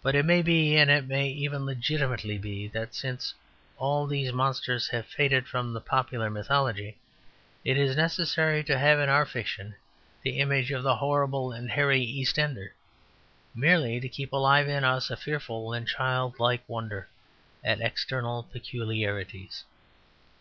But it may be, and it may even legitimately be, that since all these monsters have faded from the popular mythology, it is necessary to have in our fiction the image of the horrible and hairy East ender, merely to keep alive in us a fearful and childlike wonder at external peculiarities.